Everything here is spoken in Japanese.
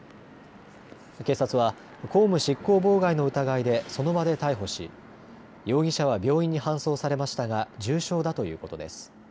警察は公務執行妨害の疑いでその場で逮捕し容疑者は病院に搬送されましたが重傷だということです。